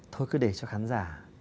thôi cứ để cho khán giả